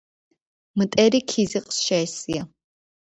მტერი ქიზიყს შეესია.